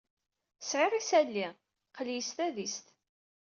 Sɛiɣ isali. Aql-iyi s tadist.